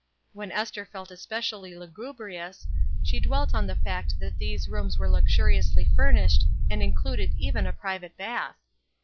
When Esther felt especially lugubrious, she dwelt on the fact that these rooms were luxuriously furnished and included even a private bath.